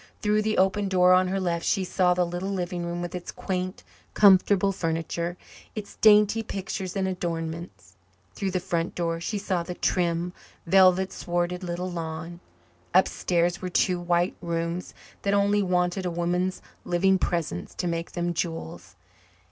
Through the open door on her left she saw the little living room with its quaint, comfortable furniture, its dainty pictures and adornments. Through the front door she saw the trim, velvet swarded little lawn. Upstairs were two white rooms that only wanted a woman's living presence to make them jewels.